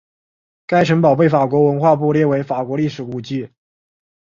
该城堡被法国文化部列为法国历史古迹。